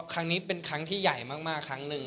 ครั้งนี้เป็นครั้งที่ใหญ่มากครั้งหนึ่ง